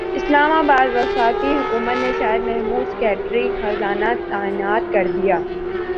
اسلام اباد وفاقی حکومت نے شاہد محمود سیکریٹری خزانہ تعینات کردیا